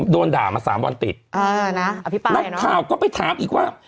โดนด่ามาสามวันติดเออนะอภิปาไทยเหรอน้องข่าวก็ไปถามอีกว่า